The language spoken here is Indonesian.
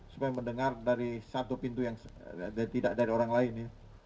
supaya mendengar dari satu pintu yang tidak dari orang lain ya